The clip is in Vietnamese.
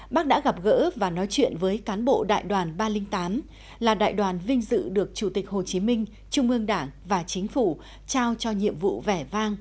bác đã gặp gỡ và nói chuyện với cán bộ đại đoàn ba trăm linh tám là đại đoàn vinh dự được chủ tịch hồ chí minh trung ương đảng và chính phủ trao cho nhiệm vụ vẻ vang